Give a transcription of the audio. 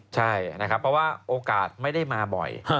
ใช่นะครับเพราะว่าโอกาสไม่ได้มาบ่อย